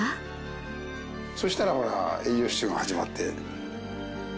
そしたらほら栄養失調が始まって。